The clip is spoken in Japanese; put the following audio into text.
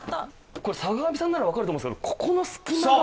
これ坂上さんならわかると思うんですけどここの隙間が。